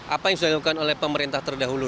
apa yang sudah dilakukan oleh pemerintah terdahulu